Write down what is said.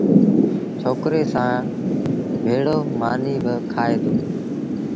ڇوڪري سآݩ ڀيڙو مآݩيٚ با کآئي دو۔